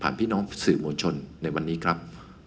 พี่น้องสื่อมวลชนในวันนี้ครับ